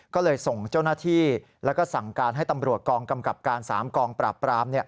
ก็เลยส่งเจ้าหน้าที่แล้วก็สั่งการให้ตำรวจกองกำกับการ๓กองปราบปราม